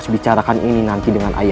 semoga universitas terbubat